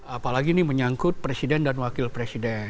apalagi ini menyangkut presiden dan wakil presiden